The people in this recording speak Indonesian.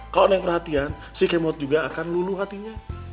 kalau neng perhatian si kemot juga akan lulu hatinya